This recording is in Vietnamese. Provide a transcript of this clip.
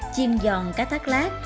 chiên giòn cá thác lát